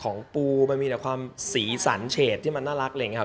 ของปูมันมีแต่ความสีสันเฉดที่มันน่ารัก